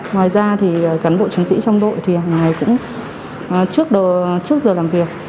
ngoài ra thì cán bộ chiến sĩ trong đội thì hàng ngày cũng trước giờ làm việc